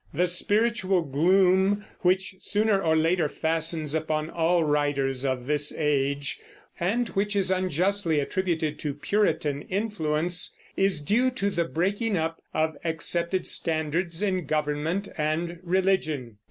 The spiritual gloom which sooner or later fastens upon all the writers of this age, and which is unjustly attributed to Puritan influence, is due to the breaking up of accepted standards in government and religion.